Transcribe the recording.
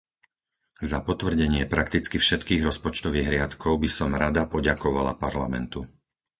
Za potvrdenie prakticky všetkých rozpočtových riadkov by som rada poďakovala Parlamentu.